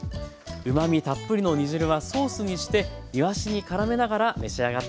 うまみたっぷりの煮汁はソースにしていわしにからめながら召し上がって下さい。